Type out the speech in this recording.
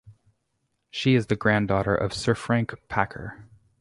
She is the granddaughter of Sir Frank Packer.